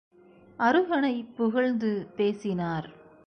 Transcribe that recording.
அருகனைப் புகழ்ந்து பேசினார்.